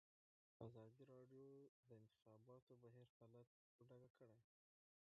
ازادي راډیو د د انتخاباتو بهیر حالت په ډاګه کړی.